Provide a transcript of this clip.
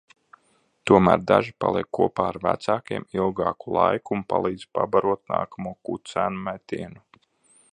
Tomēr daži paliek kopā ar vecākiem ilgāku laiku un palīdz pabarot nākamo kucēnu metienu.